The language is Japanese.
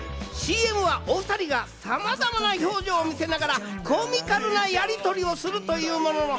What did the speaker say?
ＣＭはお２人がさまざまな表情を見せながらコミカルなやりとりをするというもの。